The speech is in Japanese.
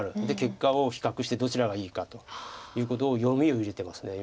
で結果を比較してどちらがいいかということを読みを入れてます。